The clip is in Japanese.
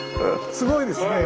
すごいですね。